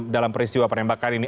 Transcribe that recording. dalam peristiwa penembakan ini